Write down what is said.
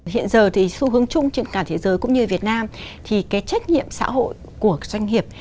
hiện giờ thì xu hướng chung trên cả thế giới cũng như việt nam thì cái trách nhiệm xã hội của doanh nghiệp